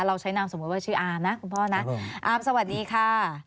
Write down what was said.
เราใช้นามสมมุติว่าชื่ออามนะคุณพ่อนะอามสวัสดีค่ะ